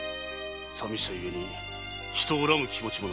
さみしさゆえに人を恨む気持ちもな。